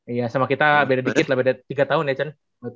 iya sama kita beda dikit lah beda tiga tahun ya chan